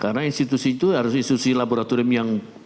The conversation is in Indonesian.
karena institusi itu harus institusi laboratorium yang